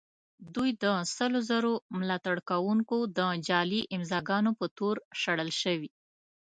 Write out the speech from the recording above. دوی د سلو زرو ملاتړ کوونکو د جعلي امضاء ګانو په تور شړل شوي.